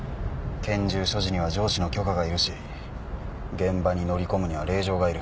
拳銃所持には上司の許可がいるし現場に乗り込むには令状がいる。